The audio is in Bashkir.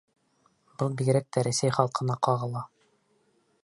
Был бигерәк тә Рәсәй халҡына ҡағыла.